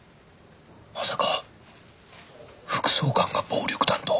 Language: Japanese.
まさか副総監が暴力団と？